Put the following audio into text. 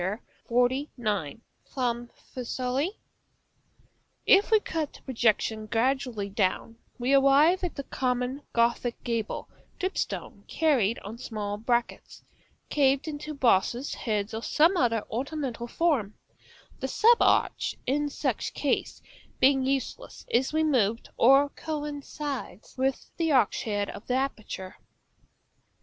XLIX., from Fiesole. [Illustration: Fig. XLIX.] If we cut the projection gradually down, we arrive at the common Gothic gable dripstone carried on small brackets, carved into bosses, heads, or some other ornamental form; the sub arch in such case being useless, is removed or coincides with the arch head of the aperture.